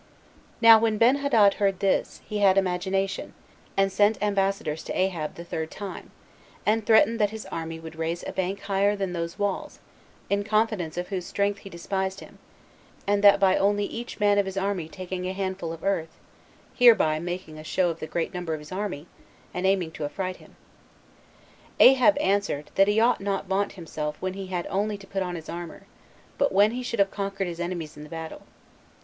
2. Now when Benhadad heard this, he had indignation, and sent ambassadors to Ahab the third time, and threatened that his army would raise a bank higher than those walls, in confidence of whose strength he despised him, and that by only each man of his army taking a handful of earth; hereby making a show of the great number of his army, and aiming to affright him. Ahab answered, that he ought not to vaunt himself when he had only put on his armor, but when he should have conquered his enemies in the battle.